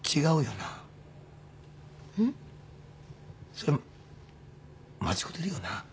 それ間違うてるよな？